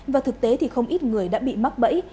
và thực tế thì không ít người đã bị mắc bẫy